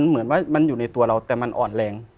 เหมือนว่ามันอยู่ในตัวเราแต่มันอ่อนแรง